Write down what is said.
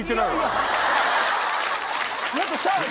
もっとシャープ。